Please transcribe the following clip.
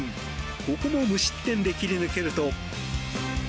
ここも無失点で切り抜けると。